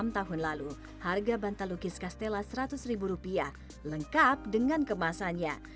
enam tahun lalu harga bantal lukis castella seratus ribu rupiah lengkap dengan kemasannya